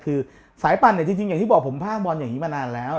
คือสายปั่นเนี่ยจริงอย่างที่บอกผมพากบอลอย่างนี้มานานแล้ว